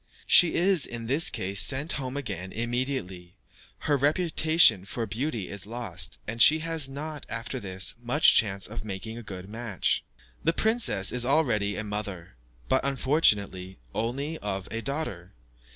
She is, in this case, sent home again immediately, her reputation for beauty is lost, and she has not, after this, much chance of making a good match. The princess is already a mother, but, unfortunately, only of a daughter.